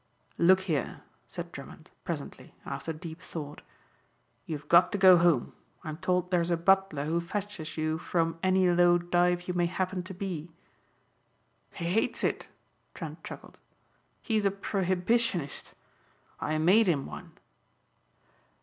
"Look here," said Drummond presently after deep thought. "You've got to go home. I'm told there's a butler who fetches you from any low dive you may happen to be." "He hates it," Trent chuckled. "He's a prohibitionist. I made him one."